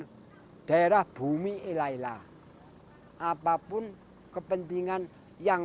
dan datang juga ladiesheavy dan juri independent tourism dan